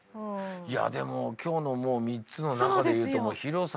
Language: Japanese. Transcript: いやでも今日のもう３つの中で言うともう広さでいい。